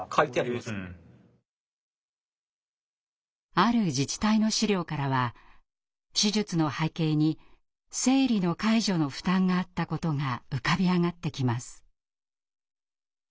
ある自治体の資料からは手術の背景に生理の介助の負担があったことが浮かび上がってきます。